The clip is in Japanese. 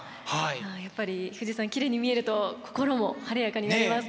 やっぱり富士山きれいに見えると心も晴れやかになりますから。